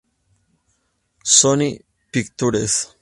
Sony Pictures